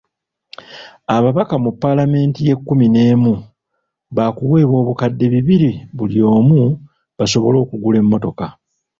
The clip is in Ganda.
Ababaka mu Paalamenti y’ ekkumi n'emu baakuweebwa obukadde bibiri buli omu, basobole okugula emmotoka.